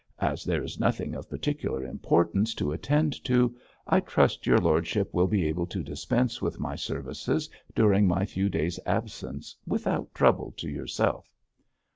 As there is nothing of particular importance to attend to, I trust your lordship will be able to dispense with my services during my few days' absence without trouble to yourself.'